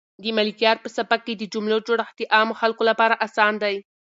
د ملکیار په سبک کې د جملو جوړښت د عامو خلکو لپاره اسان دی.